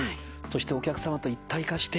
そしてお客さまと一体化して。